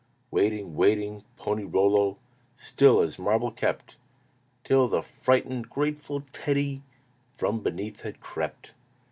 Waiting, waiting, Pony Rollo Still as marble kept, Till the frightened, grateful Teddy From beneath had crept.